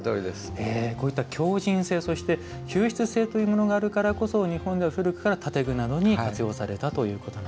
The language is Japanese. こういった強じん性、そして吸湿性というものがあるからこそ日本では古くから建具などに活用されたと。